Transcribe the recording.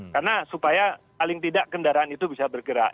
karena supaya paling tidak kendaraan itu bisa bergerak